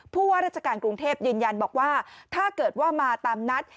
ผู้ว่าราชการกรุงเทพยืนยันบอกว่าถ้าเกิดว่ามาตามนัด